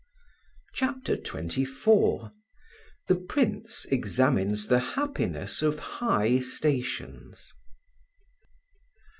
CHAPTER XXIV THE PRINCE EXAMINES THE HAPPINESS OF HIGH STATIONS.